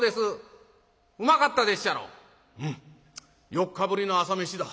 ４日ぶりの朝飯だ。